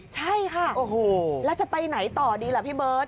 ใช่ก็แล้วจะไปไหนต่อดีละพี่เบิร์ท